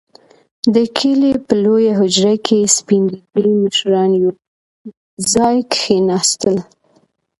• د کلي په لويه حجره کې سپين ږيري مشران يو ځای کښېناستل.